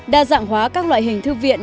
đa dạng hóa các loại hình thư viện